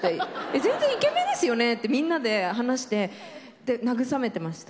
全然イケメンですよねってみんなで話して慰めてました。